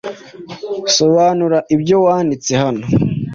Sobanura ibyo wanditse hano